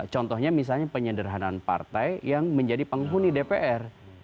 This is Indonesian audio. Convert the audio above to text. contohnya misalnya penyederhanaan partai yang menjadi penghuni dpr